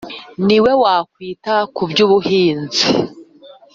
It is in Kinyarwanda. , ni we wakwita ku by’ubuhinzi